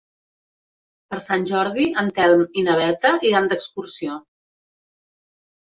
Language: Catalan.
Per Sant Jordi en Telm i na Berta iran d'excursió.